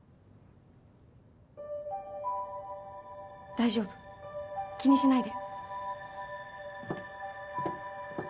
大丈夫気にしないで。